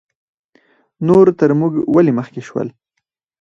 نور تر موږ ولې مخکې شول؟